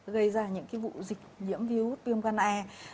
gây ra những vụ dịch nhiễm virus viêm gan e